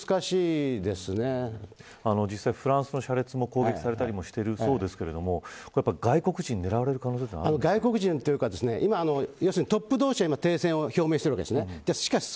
実際フランスの車列も攻撃されたりしているそうですが外国人は狙われる可能性は外国人というか今、トップ同士は停戦を表明しているわけですね。